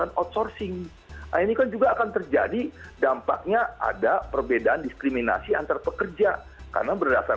nah ini kan juga tidak sehat